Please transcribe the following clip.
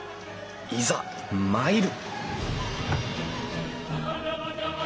いざ参る！